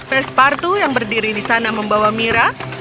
pes partu yang berdiri di sana membawa mira